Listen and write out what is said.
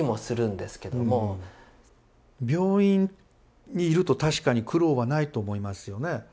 病院にいると確かに苦労はないと思いますよね。